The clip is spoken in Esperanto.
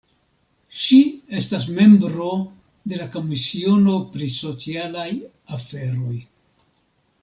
Ŝi estas membro de la komisiono pri socialaj aferoj.